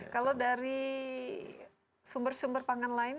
kalau dari sumber sumber pangan lain